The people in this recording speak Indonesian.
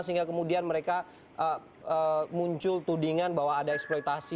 sehingga kemudian mereka muncul tudingan bahwa ada eksploitasi